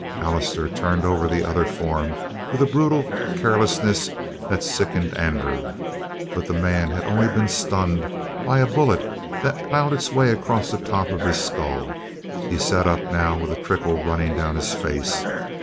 Allister turned over the other form with a brutal carelessness that sickened Andrew. But the man had been only stunned by a bullet that plowed its way across the top of his skull. He sat up now with a trickle running down his face.